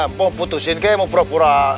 mpoh putusin ke mau pura pura